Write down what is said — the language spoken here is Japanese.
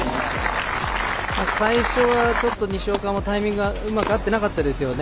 最初は西岡もタイミングがうまく合ってなかったですよね。